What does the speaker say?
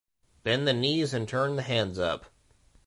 Bend the knees and turn the hands up.